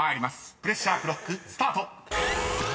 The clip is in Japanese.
プレッシャークロックスタート！］